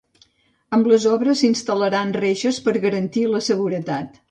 Amb les obres s'instal·laran reixes per garantir la seguretat.